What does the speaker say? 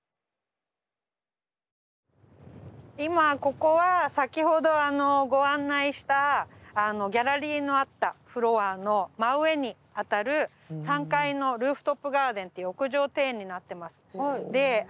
今ここは先ほどあのご案内したギャラリーのあったフロアの真上に当たる３階のルーフトップガーデンという屋上庭園になってます。